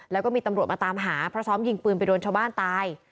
แล้วก็มีตำรวจมาตามหาเพราะซ้อมยิงปืนไปโดนชาวบ้านตาย